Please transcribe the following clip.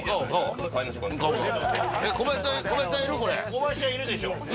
小林ちゃんいるでしょ。